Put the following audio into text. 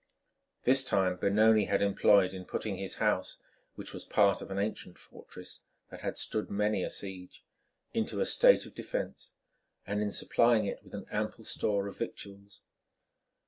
This time Benoni had employed in putting his house, which was part of an ancient fortress that had stood many a siege, into a state of defence, and in supplying it with an ample store of victuals.